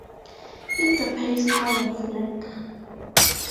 If the pair is called a "flag".